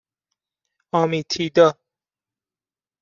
آمیتیدا